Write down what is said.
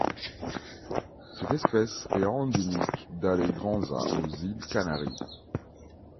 Cette espèce est endémique d'Alegranza aux îles Canaries.